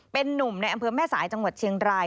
เป็นนุ่มในอำเภอแม่สายจังหวัดเชียงราย